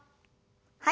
はい。